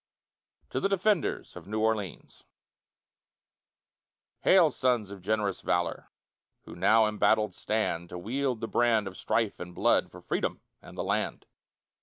TO THE DEFENDERS OF NEW ORLEANS Hail sons of generous valor, Who now embattled stand, To wield the brand of strife and blood, For Freedom and the land.